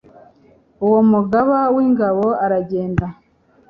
uwo mugaba w'ingabo aragenda